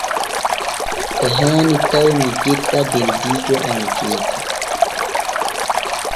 E haani taw mi yetta beldiijo am Geeka.